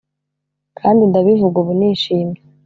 kandi ndabivuga ubu nishimye.